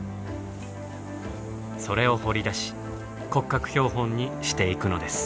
それを掘り出し骨格標本にしていくのです。